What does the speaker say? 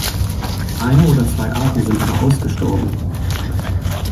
Eine oder zwei Arten sind aber ausgestorben.